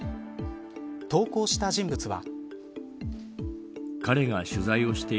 投稿した人物は。